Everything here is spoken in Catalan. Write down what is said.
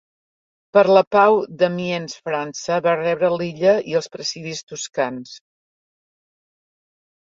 Per la pau d'Amiens França va rebre l'illa i els Presidis Toscans.